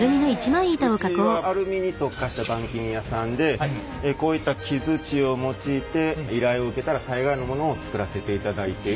うちはアルミに特化した板金屋さんでこういった木づちを用いて依頼を受けたら大概のものを作らせていただいてる。